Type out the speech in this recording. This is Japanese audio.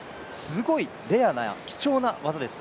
すごいレアな貴重な技です。